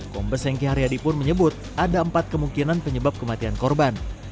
kombes hengki haryadi pun menyebut ada empat kemungkinan penyebab kematian korban